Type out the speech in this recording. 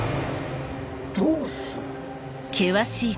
どうする？